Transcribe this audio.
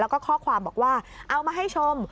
แล้วก็ข้อความบอกว่าเอามาให้ชม